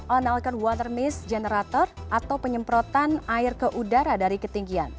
onlcon water miss generator atau penyemprotan air ke udara dari ketinggian